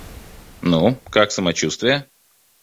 Ну, как самочуствие?